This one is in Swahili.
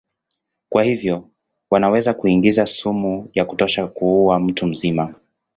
Kwa hivyo wanaweza kuingiza sumu ya kutosha kuua mtu mzima.